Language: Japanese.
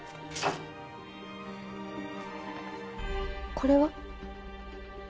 これは？